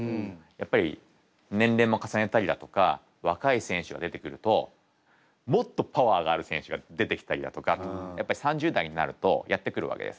やっぱり年齢も重ねたりだとか若い選手が出てくるともっとパワーがある選手が出てきたりだとかやっぱり３０代になるとやってくるわけです。